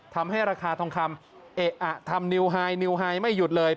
ทำให้ราคาทองคำเอะอะทำนิวไฮนิวไฮไม่หยุดเลย